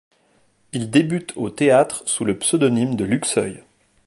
Il débute au théâtre sous le pseudonyme de Luxeuil.